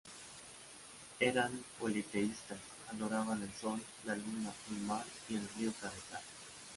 Eran politeístas, adoraban el sol, la luna, el mar y el río Carrizal.